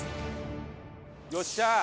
よっしゃー！